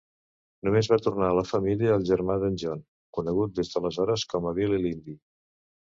Només va tornar a la família el germà d'en John, conegut des d'aleshores com a "Billy l'indi".